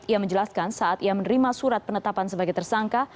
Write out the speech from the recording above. ia menjelaskan saat ia menerima surat penetapan sebagai tersangka